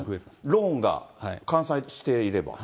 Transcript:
ローンが完済していれば。